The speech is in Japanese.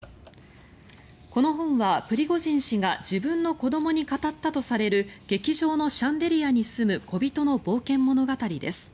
この本はプリゴジン氏が自分の子どもに語ったとされる劇場のシャンデリアに住む小人の冒険物語です。